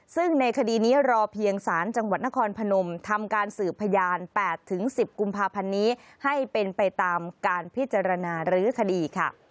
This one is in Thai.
ซึ่งในคดีนี้รอเพียงสารจังหวัดนครพนมทำการสืบพยาน๘๑๐กุมภาพันธ์นี้